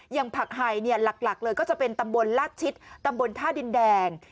อย่างผักไห่หลักเลยก็จะเป็นตำบลลาดชิดตำบลท่าดินแดง